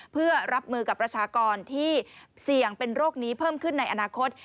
เพื่อรับมือกับประชากรที่เสี่ยงเป็นโรคนี้เพิ่มขึ้นในอนาคต